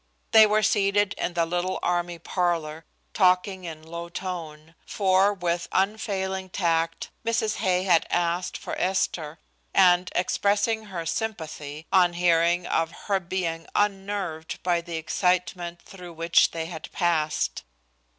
They were seated in the little army parlor, talking in low tone; for, with unfailing tact, Mrs. Hay had asked for Esther, and expressed her sympathy on hearing of her being unnerved by the excitement through which they had passed.